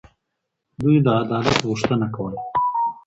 دوی د عدالت غوښتنه کوله.